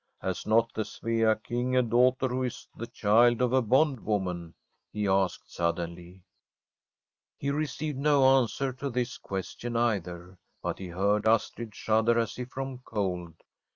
* Has not the Svea King a daughter who is the child of a bondwoman ?' he asked suddenly. He received no answer to this question either, but he heard Astrid shudder as if from cold.